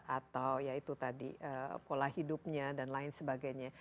atau ya itu tadi pola hidupnya dan lain sebagainya